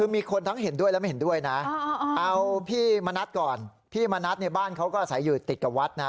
คือมีคนทั้งเห็นด้วยและไม่เห็นด้วยนะเอาพี่มณัฐก่อนพี่มณัฐเนี่ยบ้านเขาก็อาศัยอยู่ติดกับวัดนะ